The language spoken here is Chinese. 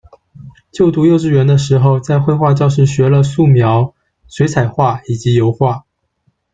就读幼稚园的时候在绘画教室学了素描、水彩画以及油画。